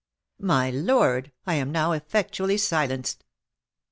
"My lord, I am now effectually silenced."